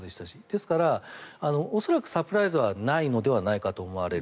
ですから恐らくサプライズはないんじゃないかと思われる。